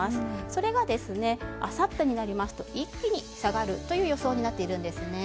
それが、あさってになりますと一気に下がるという予想になっているんです。